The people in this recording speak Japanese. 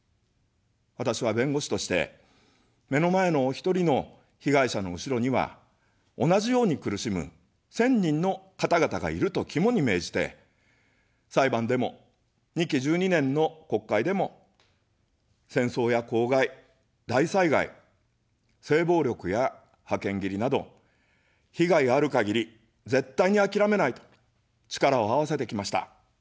私は弁護士として、目の前のお一人の被害者の後ろには、同じように苦しむ１０００人の方々がいると肝に銘じて、裁判でも、２期１２年の国会でも、戦争や公害、大災害、性暴力や派遣切りなど、被害がある限り、絶対にあきらめないと、力をあわせてきました。